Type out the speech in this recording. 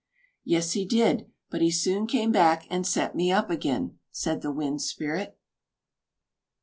"Yes, he did; but he soon came back and set me up again," said the Wind Spirit.